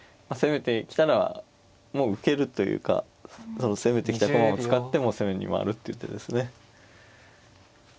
まあ攻めてきたらもう受けるというかその攻めてきた駒を使ってもう攻めに回るっていう手ですね。